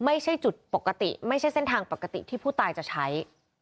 ไม่ใช่จุดปกติไม่ใช่เส้นทางปกติที่ผู้ตายจะใช้